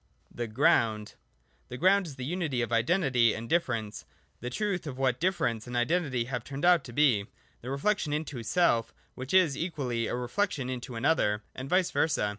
(y) The Ground. 121.] The G round is the unity of identity and differ ence, the truth of what difference and identity have turned out to be, — the reflection into self, which is equally a reflection into an other, and vice versa.